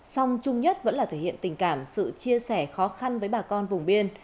song chung nhất vẫn là thể hiện tình cảm sự chia sẻ khó khăn với bà con vùng biên